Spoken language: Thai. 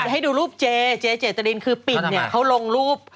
ให้ดูรูปเจเจตรินคือปิ่นเนี่ยเขาลงรูป